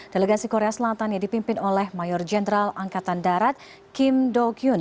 delegasi korea selatan yang dipimpin oleh mayor jenderal angkatan darat kim dok yun